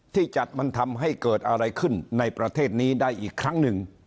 ที่จัดมันทำให้เกิดอะไรขึ้นในประเทศนี้ได้อีกครั้งหนึ่ง